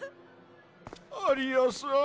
アリアさん。